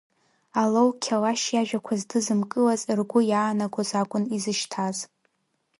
Алоу Қьалашь иажәақәа здызымкылаз, ргәы иаанагоз акәын изышьҭаз.